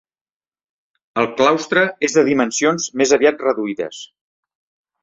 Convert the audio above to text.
El claustre és de dimensions més aviat reduïdes.